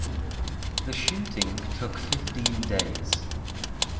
The shooting took fifteen days.